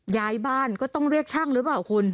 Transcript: ย้ายบ้านก็ต้องเรียกช่างหรือเปล่าคุณ